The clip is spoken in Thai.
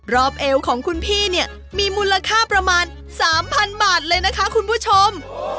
เอวของคุณพี่เนี่ยมีมูลค่าประมาณ๓๐๐๐บาทเลยนะคะคุณผู้ชม